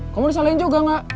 kok mau disalahin juga gak